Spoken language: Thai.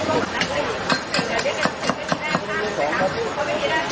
ที่นี่แห่งรถละครับ